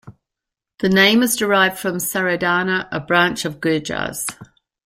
The name is derived from Saradhana, a branch of Gurjars.